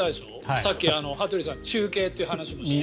さっき、羽鳥さん中継って話もして。